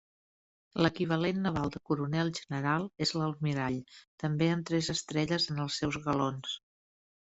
L'equivalent naval de Coronel General és l'Almirall, també amb tres estrelles en els seus galons.